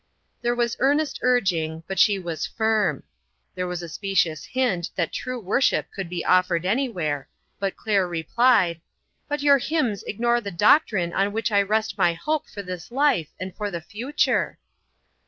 There was earnest urging, but she was firm. There was a specious hint that true worship could be offered anywhere, but Claire replied: OUT IN THE WORLD. 49 " But your hymns ignore the doctrine on which I rest my hope for this life and for the future."